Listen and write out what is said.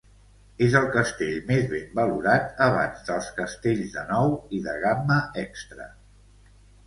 És el castell més ben valorat abans dels castells de nou i de gamma extra.